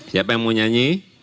siapa yang mau nyanyi